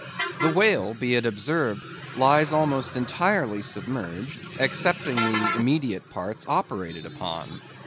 The whale, be it observed, lies almost entirely submerged, excepting the immediate parts operated upon.